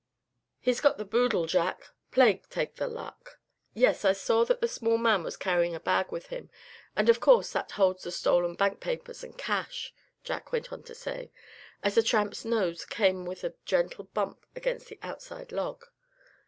"He's got the boodle, Jack, plague take the luck!" "Yes, I saw that the small man was carrying a bag with him, and of course that holds the stolen bank papers and cash," Jack went on to say, as the Tramp's nose came with a gentle bump against the outside log.